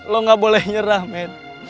lo gak boleh nyerah men